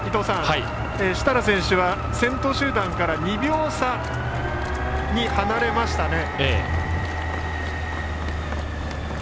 設楽選手は先頭集団から２秒差に離れました。